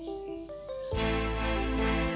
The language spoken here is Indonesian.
sebenarnya dengan yuk